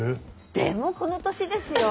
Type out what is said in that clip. でもこの年ですよ。